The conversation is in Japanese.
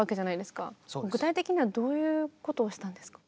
具体的にはどういうことをしたんですか？